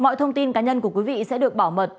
mọi thông tin cá nhân của quý vị sẽ được bảo mật